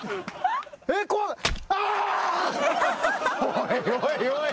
おいおいおい。